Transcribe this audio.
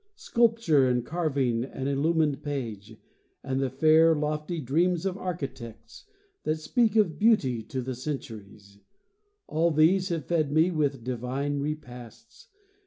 Sculpture and carving and illumined page, And the fair, lofty dreams of architects, That speak of beauty to the centuries— All these have fed me with divine repasts.